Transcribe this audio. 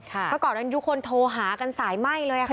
เพราะก่อนนั้นทุกคนโทรหากันสายไหม้เลยค่ะ